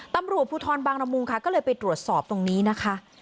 ตำรวจภูทรบางละมุงค่ะก็เลยไปตรวจสอบตรงนี้นะคะ